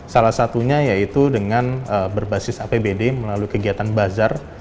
salah satunya yaitu dengan berbasis apbd melalui kegiatan bazar